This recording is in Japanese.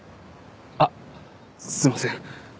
あっすいません。